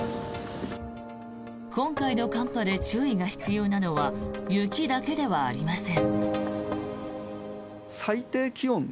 今回の寒波で注意が必要なのは雪だけではありません。